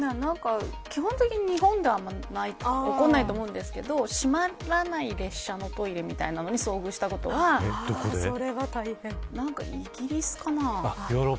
基本的に日本ではあんまり起こらないと思うんですけど閉まらない列車のトイレみたいなのに遭遇したことはあります。